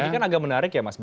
ini kan agak menarik ya mas